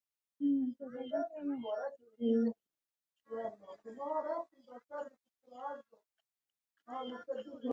شفق رنګه ځواب زما په رګونو کې پټ دی.